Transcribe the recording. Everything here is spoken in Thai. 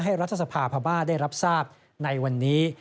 ให้รัฐสภาภามาได้รับทราบในวันนี้